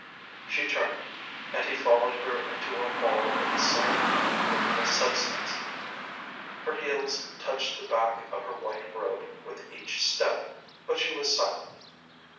She turned, and he followed her into a hall of the same luminous substance. Her heels touched the back of her white robe with each step, but she was silent.